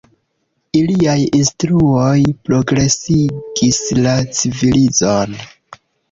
Iliaj instruoj progresigis la civilizon.